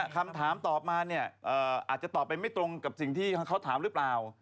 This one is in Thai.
คำถามตอบมาเนี่ยอาจจะตอบไปไม่ตรงกับสิ่งที่เขาถามหรือเปล่า